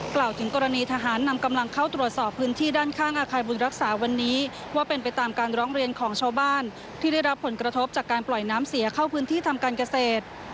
กล่าวถึงกรณีทหารนำกำลังเข้าตรวจสอบพื้นที่ด้านข้างอาคารบุญรักษาวันนี้ว่าเป็นไปตามการร้องเรียนของชาวบ้านที่ได้รับผลกระทบจากการปล่อยน้ำเสียเข้าพื้นที่ทำการเกษตร